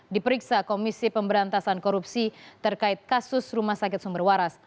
diperiksa komisi pemberantasan korupsi terkait kasus rumah sakit sumber waras